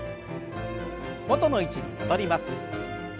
元の位置に戻ります。